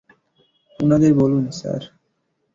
উনাদের বলুন, স্যার।